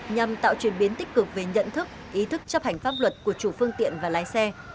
nhằm tạo truyền biến tích cực về nhận thức ý thức chấp hành pháp luật của chủ phương tiện và lái xe